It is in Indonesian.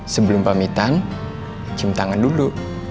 sebelum pamitan cium tangan dulu